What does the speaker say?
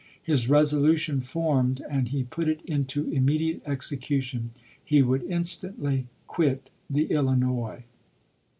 His resolution formed and he put it into immediate execution: he would instantly quit the Illinois.